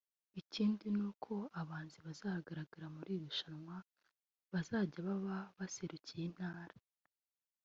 Ikindi ni uko abahanzi bazagaragara muri iri rushanwa bazajya baba baserukiye intara